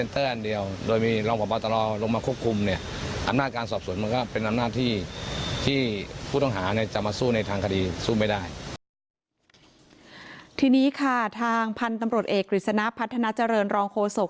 ทีนี้ค่ะทางพันธุ์ตำรวจเอกกฤษณะพัฒนาเจริญรองโฆษก